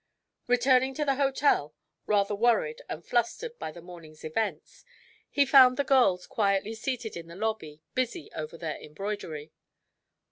Returning to the hotel, rather worried and flustered by the morning's events, he found the girls quietly seated in the lobby, busy over their embroidery.